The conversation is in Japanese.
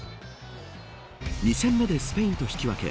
２戦目でスペインと引き分け